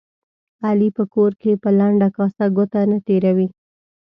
علي په کور کې په لنده کاسه ګوته نه تېروي.